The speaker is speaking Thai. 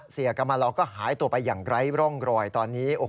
เสียกรรมเราก็หายตัวไปอย่างไร้ร่องรอยตอนนี้